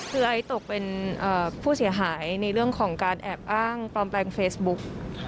คือไอซ์ตกเป็นผู้เสียหายในเรื่องของการแอบอ้างปลอมแปลงเฟซบุ๊ก